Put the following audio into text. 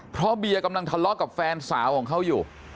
เพราะเบียกำลังทะเลาะกับแฟนสาวของเขาอยู่